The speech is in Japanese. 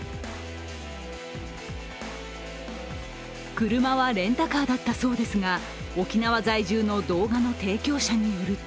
車はレンタカーだったそうですが沖縄在住の動画の提供者によると